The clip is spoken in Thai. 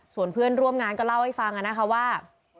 ส่วนเพื่อนร่วมงานก็เล่าให้ฟังนะคะว่า